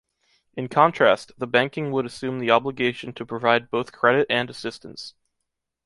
In contrast, the banking would assume the obligation to provide both credit and assistance.